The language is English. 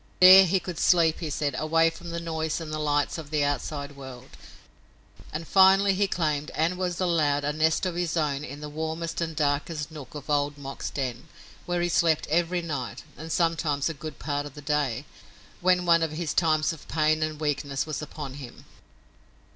There he could sleep, he said, away from the noise and the lights of the outside world, and finally he claimed and was allowed a nest of his own in the warmest and darkest nook of Old Mok's den, where he slept every night, and sometimes a good part of the day, when one of his times of pain and weakness was upon him.